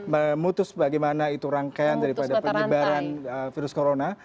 memutus bagaimana itu rangkaian daripada penyebaran virus corona